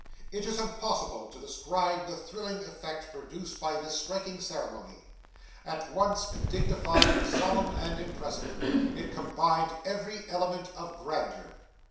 It is impossible to describe the thrilling effect produced by this striking ceremony. At once dignified, solemn, and impressive, it combined every element of grandeur.